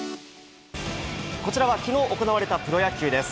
こちらはきのう行われたプロ野球です。